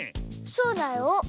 そうだよ。